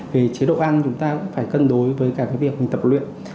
vì chế độ ăn chúng ta cũng phải cân đối với cả việc mình tập luyện